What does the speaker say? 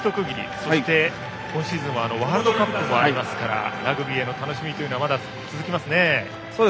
そして、今シーズンはワールドカップもありますからラグビーへの楽しみがまだ続きますね。